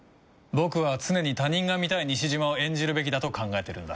僕は常に他人が見たい西島を演じるべきだと考えてるんだ。